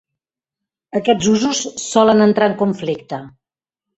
Aquests usos solen entrar en conflicte.